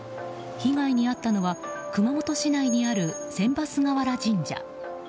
被害に遭ったのは熊本市内にある船場菅原神社。